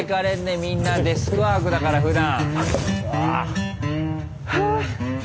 みんなデスクワークだからふだん。